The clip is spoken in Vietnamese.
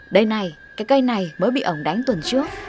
đây này cái cây này mới bị ổ đánh tuần trước